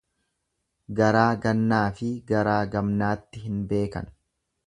Garaa gannaafi garaa gamnaatti hin beekan.